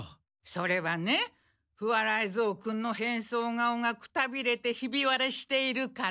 それはね不破雷蔵君の変装顔がくたびれてヒビ割れしているから。